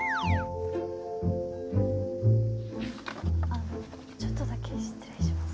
あのちょっとだけ失礼します。